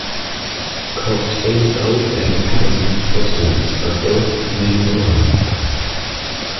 Cox bales out and Patterson force-lands but both remain alive.